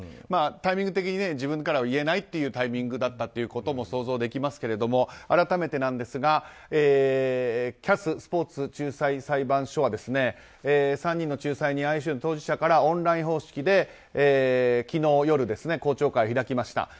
タイミング的に自分からは言えないというタイミングだったということも想像できますけれども改めてなんですがＣＡＳ・スポーツ仲裁裁判所は３人の仲裁人、ＩＯＣなどの当事者らがオンライン方式で昨日夜、公聴会を開きました。